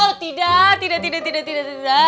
oh tidak tidak tidak tidak tidak